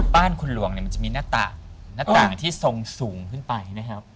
บ้านคุณหลวงเนี่ยมันจะมีหน้าต่างหน้าต่างที่ทรงสูงขึ้นไปนะครับ